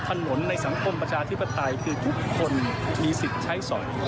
ถนนในสังคมประชาธิปไตยคือทุกคนมีสิทธิ์ใช้สอย